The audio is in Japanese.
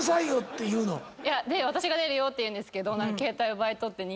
私が出るよって言うんですけど。